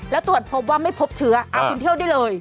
แล้วตรวจพบว่าไม่พบเชื้อคุณเที่ยวได้เลย